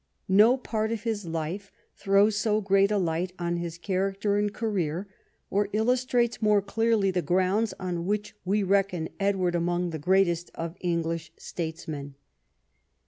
No part of his life throws so great a light on his character and career, or illustrates more clearly the grounds on which we reckon Edward among the greatest of English statesmen.